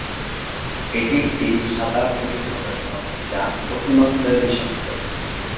এটি একটি সাদা কঠিন পদার্থ, যা অতি মাত্রায় বিষাক্ত।